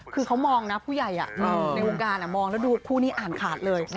คือเขามองนะผู้ใหญ่ในวงการมองแล้วดูคู่นี้อ่านขาดเลย